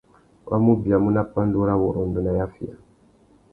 Wa mù biamú nà pandúrâwurrôndô nà yafiya.